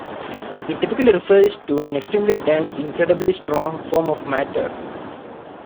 It typically refers to an extremely dense, incredibly strong form of matter.